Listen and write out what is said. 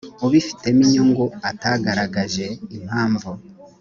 ubifitemo inyungu atagaragaje impamvu